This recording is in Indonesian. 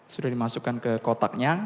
sudah dimasukkan ke kotaknya